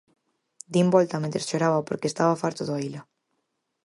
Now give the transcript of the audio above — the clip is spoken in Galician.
Din volta mentres choraba porque estaba farto de oila.